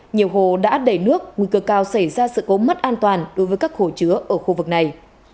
nhiều hồ đã đầy nước nguy cơ cao xảy ra sự cố mất an toàn đối với các hồ chứa ở khu vực này